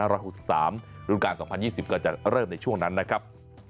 รุ่นการ๒๐๒๐ก็จะเริ่มในช่วงนั้นนะครับ